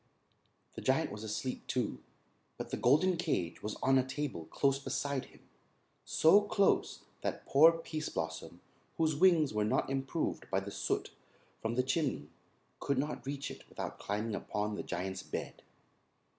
The Giant was asleep, too, but the golden cage was on a table close beside him, so close that poor Pease Blossom, whose wings were not improved by the soot from the chimney, could not reach it without climbing upon the Giant's bed.